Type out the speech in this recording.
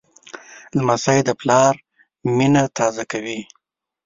لمسی د پلار مینه تازه کوي.